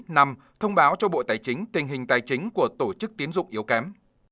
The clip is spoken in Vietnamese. năm thông báo cho bộ tài chính tình hình tài chính của tổ chức tiến dụng yếu kém